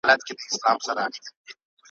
کمالونه چي د هري مرغۍ ډیر وي ,